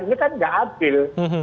itu kan nggak adil